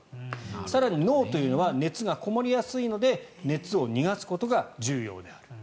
更に、脳というのは熱がこもりやすいので熱を逃がすことが重要である。